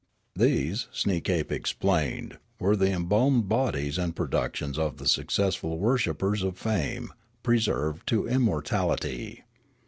These, Sneekape explained, were the embalmed bodies and productions of the successful worshippers of fame, preserved to immortality.